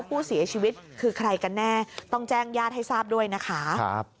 ผู้เสียชีวิตคือใครกันแน่ต้องแจ้งญาติให้ทราบด้วยนะคะครับ